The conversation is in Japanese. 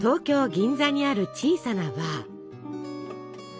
銀座にある小さなバー。